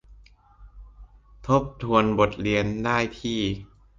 ทบทวนบทเรียนได้ที่